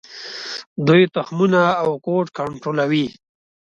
دوی تخمونه او کود کنټرولوي.